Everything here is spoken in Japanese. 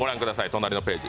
隣のページ。